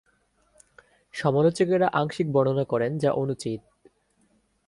সমালোচকেরা আংশিক বর্ণনা করেন, যা অনুচিত।